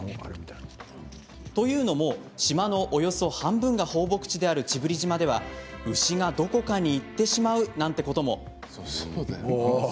というのも、島のおよそ半分が放牧地である知夫里島では牛が、どこかに行ってしまうなんてことも。